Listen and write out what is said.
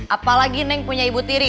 apalagi neng punya ibu tiri